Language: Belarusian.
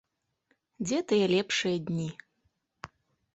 Дзе тыя лепшыя дні?